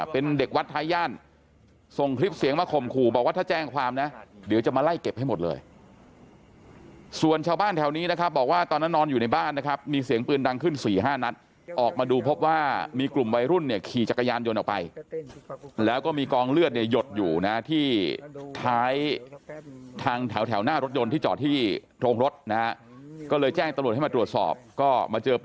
เป็นเด็กวัดท้าย่านส่งคลิปเสียงมาข่มขู่บอกว่าถ้าแจ้งความนะเดี๋ยวจะมาไล่เก็บให้หมดเลยส่วนชาวบ้านแถวนี้นะครับบอกว่าตอนนั้นนอนอยู่ในบ้านนะครับมีเสียงปืนดังขึ้น๔๕นัดออกมาดูพบว่ามีกลุ่มวัยรุ่นเนี่ยขี่จักรยานยนต์ออกไปแล้วก็มีกองเลือดเนี่ยหยดอยู่นะที่ท้ายทางแถวหน้ารถยนต์ที่จอดที่โรงรถนะฮะก็เลยแจ้งตำรวจให้มาตรวจสอบก็มาเจอป